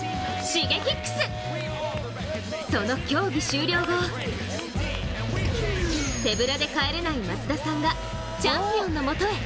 その競技終了後、手ぶらで帰れない松田さんがチャンピオンのもとへ。